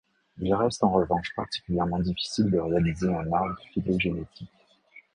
Il reste en revanche particulièrement difficile de réaliser un arbre phylogénétique.